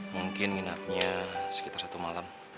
mungkin minatnya sekitar satu malam